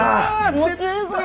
もうすごい。